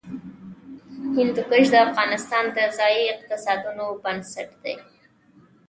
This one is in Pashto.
هندوکش د افغانستان د ځایي اقتصادونو بنسټ دی.